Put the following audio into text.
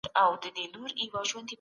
آيا موږ د ټولنيزو نورمونو اړتيا لرو؟